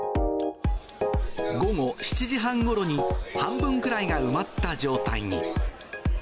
午後７時半ごろに、半分くらいが埋まった状態に。